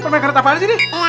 perminkaret apaan sih ini